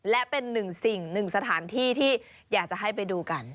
และเป็นหนึ่งสถานที่ที่อยากจะให้ไปดูกัน